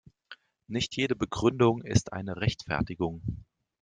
Nicht jede Begründung ist eine Rechtfertigung.